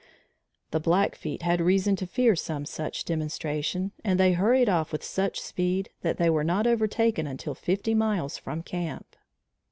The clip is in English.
The Blackfeet had reason to fear some such demonstration, and they hurried off with such speed that they were not overtaken until fifty miles from camp.